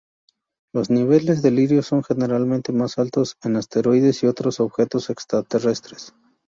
Los niveles del iridio son generalmente más altos en asteroides y otros objetos extraterrestres.